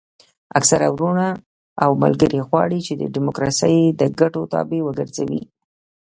اکثره وروڼه او ملګري غواړي چې ډیموکراسي د ګټو تابع وګرځوي.